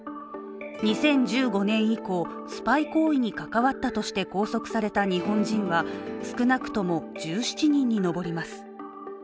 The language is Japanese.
２０１５年以降、スパイ行為に関わったとして拘束された日本人は少なくとも１７人にのぼります。